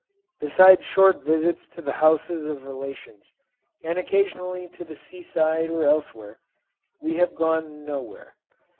Besides short visits to the houses of relations, and occasionally to the seaside or elsewhere, we have gone nowhere.